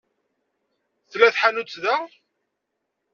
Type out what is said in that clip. Tella tḥanutt da?